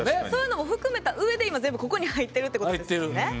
そういうのも含めた上で今、ここに入ってるんですよね。